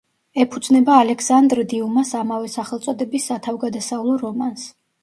ეფუძნება ალექსანდრ დიუმას ამავე სახელწოდების სათავგადასავლო რომანს.